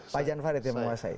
pak jan farid yang menguasai